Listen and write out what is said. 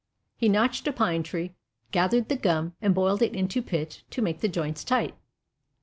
He notched a pine tree, gathered the gum and boiled it into pitch to make the joints tight.